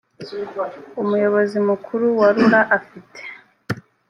umuyobozi mukuru wa rura afite